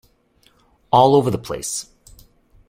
All over the place.